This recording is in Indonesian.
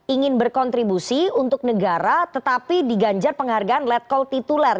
ingin berkontribusi untuk negara tetapi diganjar penghargaan let call tituler